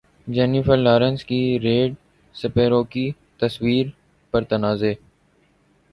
Jennifer Lawrence کی red sparrow کی تصویر پر تنازع